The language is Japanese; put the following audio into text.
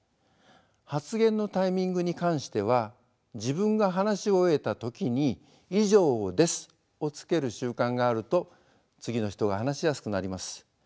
発言のタイミングに関しては自分が話し終えた時に「以上です」をつける習慣があると次の人が話しやすくなります。